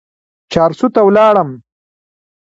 چارسو ته ولاړم.